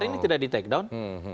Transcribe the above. itu sudah kita take down